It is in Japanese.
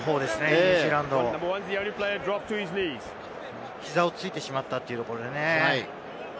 ニュージーランド、膝をついてしまったというところでね。